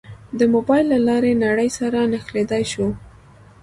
د موبایل له لارې نړۍ سره نښلېدای شو.